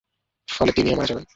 ফলে তিনিও মারা যাবেন।